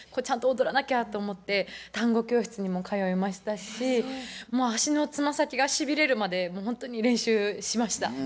ちゃんと踊らなきゃと思ってタンゴ教室にも通いましたしもう足の爪先がしびれるまでほんとに練習しました。